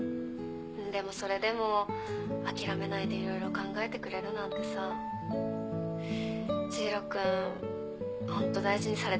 でもそれでも諦めないで色々考えてくれるなんてさ知博君ホント大事にされてるんだね。